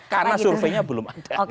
karena surveinya belum ada